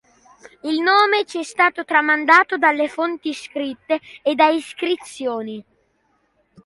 Il nome ci è stato tramandato dalle fonti scritte e da iscrizioni.